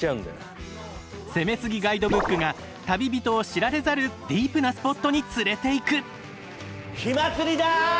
「攻めすぎガイドブック」が旅人を知られざるディープなスポットに連れていく！